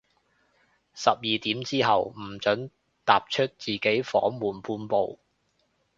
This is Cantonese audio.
十二點之後，唔准踏出自己房門半步